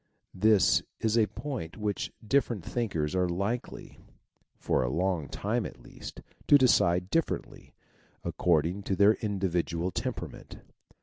This is a point which different thinkers are likety, for a long time at least, to decide differently, accord ing to their individual temperament.